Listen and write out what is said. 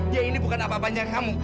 ya ini bukan apa apanya kamu